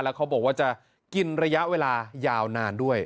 เขาบอกว่าจะกินระยะเวลายาวนานด้วย